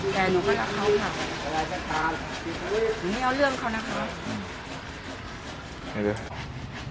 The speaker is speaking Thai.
แต่หนูก็รักเขาค่ะอะไรก็ตามหนูไม่เอาเรื่องเขานะคะ